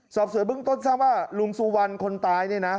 สอบส่วนเบื้องต้นทราบว่าลุงสุวรรณคนตายเนี่ยนะ